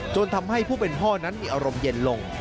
จนทำให้ผู้เป็นพ่อนั้นมีอารมณ์เย็นลง